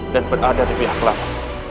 dan berada di pihak lama